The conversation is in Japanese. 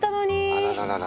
あらららら。